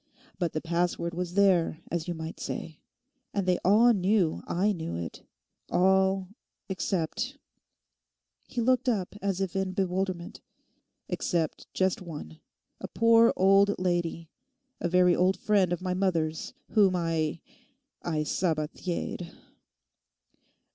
But the password was there, as you might say; and they all knew I knew it, all—except'—he looked up as if in bewilderment—'except just one, a poor old lady, a very old friend of my mother's, whom I—I Sabathiered!